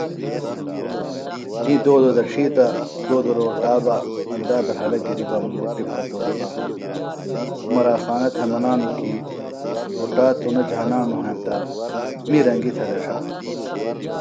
می دودوۡ دڇھی تہ دودوۡ روٹا بہ اندا بھےۡ رھلہ گِریۡ بہ مُٹِم پھتوریۡ بہ عُمرا خانہ تھےۡ منانوۡ کیۡ روٹا توۡ نہ جھانانوۡ ہینتہ می رنگیۡ تھےۡ دڇھہ